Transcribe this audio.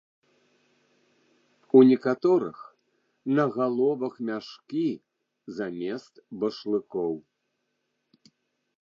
У некаторых на галовах мяшкі замест башлыкоў.